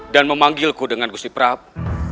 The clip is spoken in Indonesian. dan memanggilku dengan gusti prabu